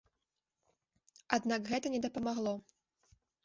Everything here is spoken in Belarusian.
Аднак гэта не дапамагло.